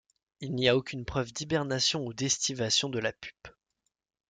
Il n'y a aucune preuve d'hibernation ou d'estivation de la pupe.